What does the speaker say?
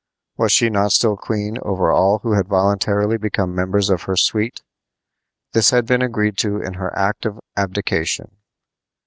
Was she not still queen over all who had voluntarily become members of her suite? This had been agreed to in her act of abdication.